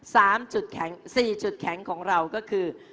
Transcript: สามจุดแข็งสี่จุดแข็งของเราก็คือ